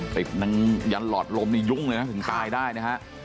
ไปยันหลอดลมในยุ่งเลยนะถึงตายได้นะฮะ